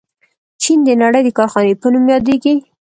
چین د نړۍ د کارخانې په نوم یادیږي.